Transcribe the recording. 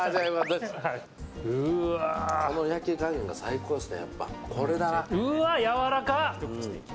この焼き加減が最高ですね。